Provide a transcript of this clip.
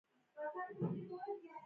اوس هر څوک کولای شي الوتکې وګوري.